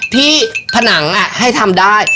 ผนังให้ทำได้